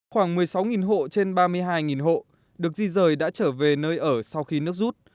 khoảng một mươi sáu hộ trên ba mươi hai hộ được di rời đã trở về nơi ở sau khi nước rút